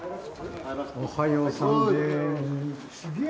おはようさんです。